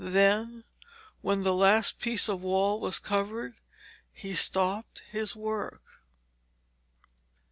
Then, when the last piece of wall was covered, he stopped his work.